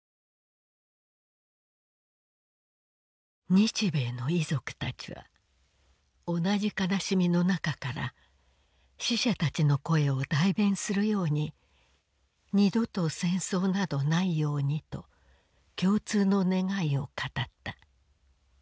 「日米の遺族たちは同じ悲しみのなかから死者たちの声を代弁するように『二度と戦争などないように』と共通の願いを語った。